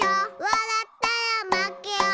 わらったらまけよ。